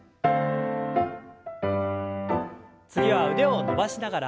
次は腕を伸ばしながら。